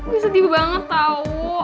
gue sedih banget tau